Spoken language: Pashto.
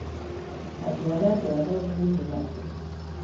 هندوانه د الله لوی نعمت دی.